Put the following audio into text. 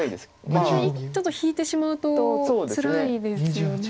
これでちょっと引いてしまうとつらいですよね。